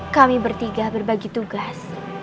kami bertiga berbagi tugas